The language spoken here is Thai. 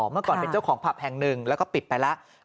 เมื่อก่อนเป็นเจ้าของผับแห่งหนึ่งแล้วก็ปิดไปแล้ว